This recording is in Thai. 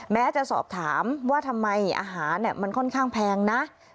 แม้จะสอบถามว่าทำไมอาหารมันค่อนข้างแพงนะ